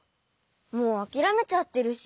もうあきらめちゃってるし。